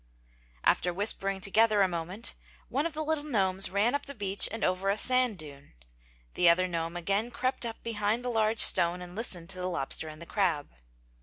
After whispering together a moment one of the little gnomes ran up the beach and over a sand dune. The other gnome again crept up behind the large stone and listened to the lobster and the crab.